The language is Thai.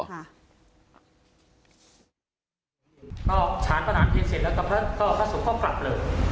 ก็ฉานประหลานเพศเสร็จแล้วก็พระสุทธิ์ก็กลับเลย